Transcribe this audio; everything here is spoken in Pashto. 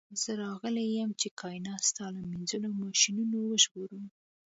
زه راغلی یم چې کائنات ستا له مینځلو ماشینونو وژغورم